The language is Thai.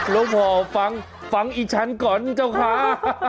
แล้วพอฟังฟังอีฉันก่อนเจ้าค้า